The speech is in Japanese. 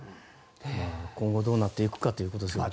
今後どうなっていくかということですね。